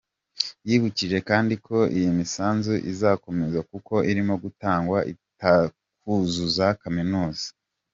Yibukije kandi ko iyi misanzu izakomeza kuko irimo gutangwa itakuzuza kaminuza.